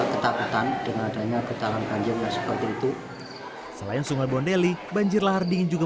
ketakutan dengan adanya getaran banjir yang seperti itu selain sungai bondeli banjir lahar dingin juga